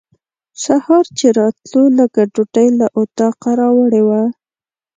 سهار چې راتلو لږه ډوډۍ له اطاقه راوړې وه.